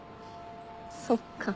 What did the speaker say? そっか。